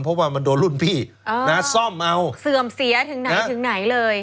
เพราะว่ามันโดนรุ่นพี่นะซ่อมเอาเสื่อมเสียถึงไหนถึงไหนเลย